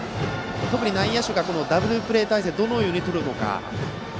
特に内野手がダブルプレー態勢をどうとるのか。